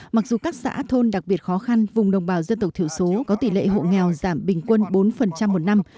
mặc dù các xã thôn đặc biệt khó khăn vùng đồng bào dân tộc thiểu số có tỷ lệ hộ nghèo giảm bình quân bốn một năm